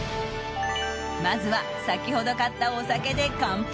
まずは先程買ったお酒で乾杯。